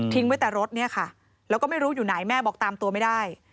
ไว้แต่รถเนี่ยค่ะแล้วก็ไม่รู้อยู่ไหนแม่บอกตามตัวไม่ได้